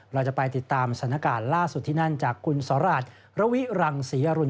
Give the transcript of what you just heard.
เราจะไปติดตามสถานการณ์ล่าสุดที่นั่นจากคุณสราชระวิรังศรีอรุณ